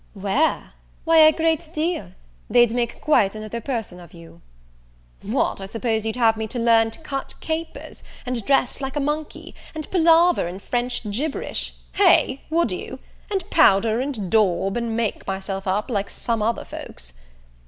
"Where! why a great deal. They'd make quite another person of you." "What, I suppose you'd have me to learn to cut capers? and dress like a monkey? and palaver in French gibberish? hey, would you? And powder, and daub, and make myself up, like some other folks?"